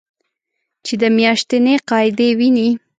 چې د میاشتنۍ قاعدې وینې